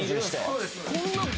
そうです